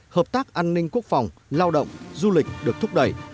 hợp tác an ninh quốc phòng lao động du lịch được thúc đẩy